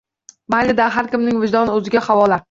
Mayli-da, har kimning vijdoni o‘ziga havola